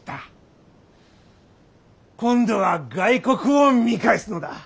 今度は外国を見返すのだ。